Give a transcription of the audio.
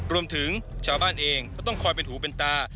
รวมถึงชาวบ้านเองก็ต้องคอยเป็นหูเป็นตา